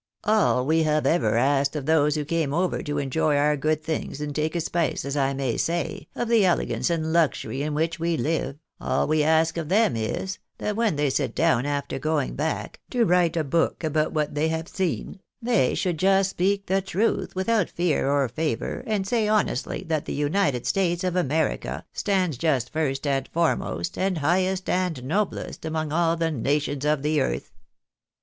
All we have ever asked of those who came over to enjoy our good things, and take a spice, as I may say, of the elegance and luxury in which we five, all we ask of them is, that when they sit down after going back, to write a book about what they have seen, they should just speak the truth, without fear or favour, and say honestly that the United States of America stand just first and foremost, and highest and noblest, among all the nations of the earth.